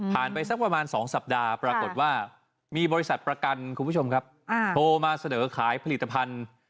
ผ่านไปสักประมาณ๒สัปดาห์ปรากฏว่ามีบริษัทประกันโทรมาเสดอขายผลิตภัณฑ์